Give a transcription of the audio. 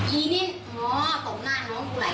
หน้ามันร่วงอยู่อะไร